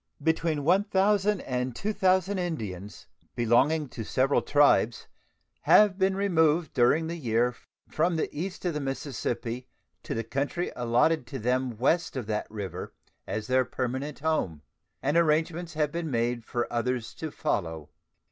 Between 1,000 and 2,000 Indians, belonging to several tribes, have been removed during the year from the east of the Mississippi to the country allotted to them west of that river as their permanent home, and arrangements have been made for others to follow.